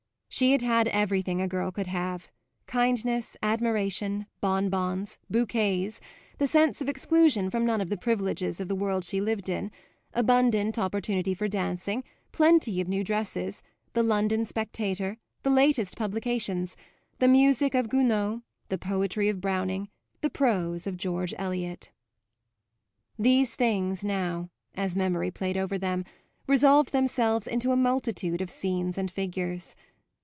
She had had everything a girl could have: kindness, admiration, bonbons, bouquets, the sense of exclusion from none of the privileges of the world she lived in, abundant opportunity for dancing, plenty of new dresses, the London Spectator, the latest publications, the music of Gounod, the poetry of Browning, the prose of George Eliot. These things now, as memory played over them, resolved themselves into a multitude of scenes and figures.